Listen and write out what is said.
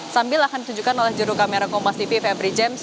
sambil akan ditunjukkan oleh juru kamera kompas tv febri james